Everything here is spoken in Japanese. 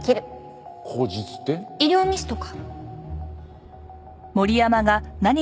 医療ミスとか。